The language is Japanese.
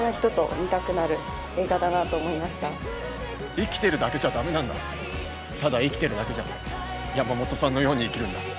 生きているだけじゃダメなんだただ生きているだけじゃ山本さんのように生きるんだ